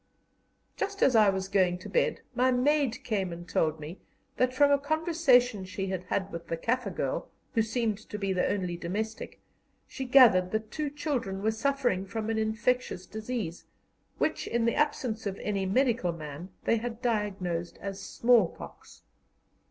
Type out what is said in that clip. Just as I was going to bed, my maid came and told me that, from a conversation she had had with the Kaffir girl, who seemed to be the only domestic, she gathered that two children were suffering from an infectious disease, which, in the absence of any medical man, they had diagnosed as smallpox.